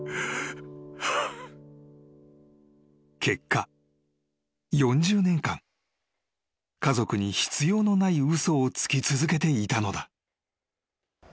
［結果４０年間家族に必要のない嘘をつき続けていたのだ］